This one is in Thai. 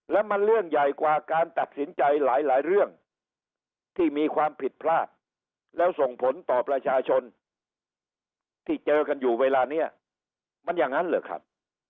แล้วมันเรื่องใหญ่กว่าการตัดสินใจหลายเรื่องที่มีความผิดพลาดแล้วส่งผลต่อประชาชนที่เจอกันอยู่เวลานี้มันอย่างนั้นเหรอครับ